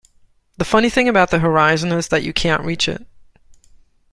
The funny thing about the horizon is that you can't reach it.